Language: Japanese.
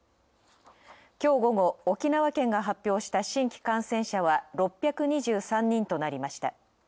今日午後、沖縄県が発表した新規感染者は６２３人となりました。